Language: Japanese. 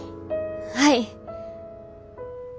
はい。